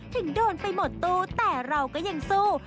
ถึงโดนไปหมดตู้แต่เราก็ยังสู้